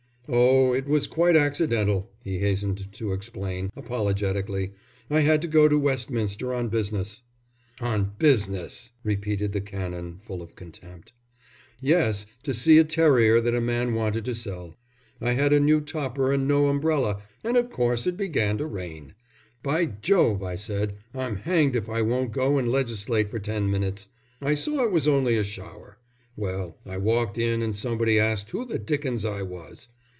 "Oh, it was quite accidental," he hastened to explain, apologetically. "I had to go to Westminster on business." "On business!" repeated the Canon, full of contempt. "Yes, to see a terrier that a man wanted to sell. Well, I had a new topper and no umbrella, an' of course it began to rain. 'By Jove,' I said, 'I'm hanged if I won't go and legislate for ten minutes.' I saw it was only a shower. Well, I walked in and somebody asked who the dickens I was.